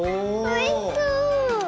おいしそう！